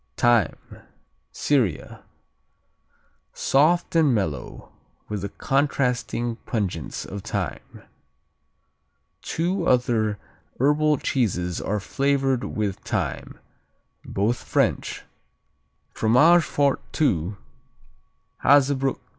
Thyme Syria Soft and mellow, with the contrasting pungence of thyme. Two other herbal cheeses are flavored with thyme both French: Fromage Fort II, Hazebrook II.